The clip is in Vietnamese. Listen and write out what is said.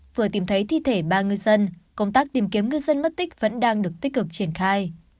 vừa tìm thấy thi thể ba ngư dân công tác tìm kiếm ngư dân mất tích vẫn đang được tích cực triển khai